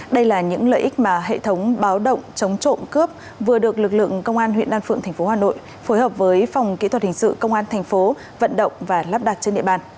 đây là những lợi ích mà hệ thống báo động chống trộm cướp vừa được lực lượng công an huyện đan phượng tp hà nội phối hợp với phòng kỹ thuật hình sự công an thành phố vận động và lắp đặt trên địa bàn